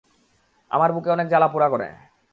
আমার বুক অনেক জ্বালা পুড়া করে।